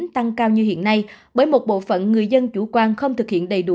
tăng cao như hiện nay bởi một bộ phận người dân chủ quan không thực hiện đầy đủ